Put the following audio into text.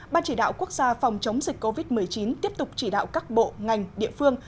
ban chỉ đạo quốc gia phòng chống dịch covid một mươi chín tiếp tục chỉ đạo các bộ ngành địa phương